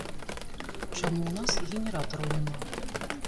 Чаму ў нас генератараў няма?